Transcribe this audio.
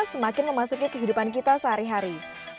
semakin memasuki kehidupan kita sehari hari